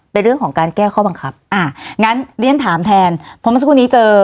เป็นเรื่องของการแก้ข้อบังคับอ่างั้นเรียนถามแทนเพราะเมื่อสักครู่นี้เจอ